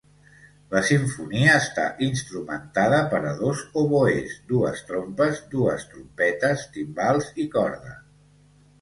La simfonia està instrumentada per a dos oboès, dues trompes, dues trompetes, timbales i corda.